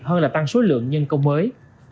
hơn là tăng số lượng nhân công mới